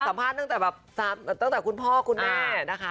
สัมภาษณ์ตั้งแต่คุณพ่อคุณแม่นะคะ